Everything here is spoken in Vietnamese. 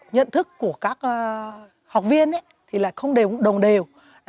nhận thức của các học viên thì không đồng đều